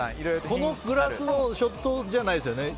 このグラスのショットじゃないですよね